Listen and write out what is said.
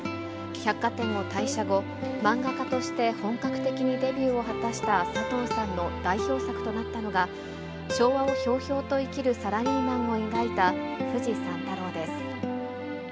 百貨店を退社後、漫画家として本格的にデビューを果たしたサトウさんの代表作となったのが、昭和をひょうひょうと生きるサラリーマンを描いたフジ三太郎です。